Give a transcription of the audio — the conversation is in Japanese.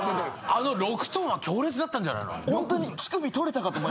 あの６ｔは強烈だったんじゃないの？